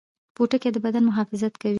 پوټکی د بدن محافظت کوي